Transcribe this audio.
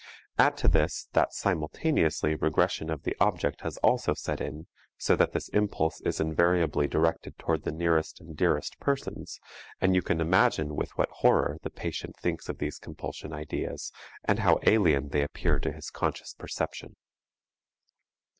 Add to this, that simultaneously regression of the object has also set in, so that this impulse is invariably directed toward the nearest and dearest persons, and you can imagine with what horror the patient thinks of these compulsion ideas and how alien they appear to his conscious perception.